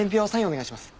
お願いします。